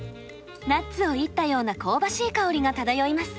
ナッツをいったような香ばしい香りが漂います。